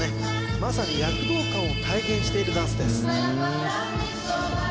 まさに躍動感を体現しているダンスです